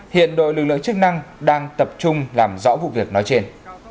hiện đội lực lượng chức năng đang tập trung làm rõ vụ việc nói trên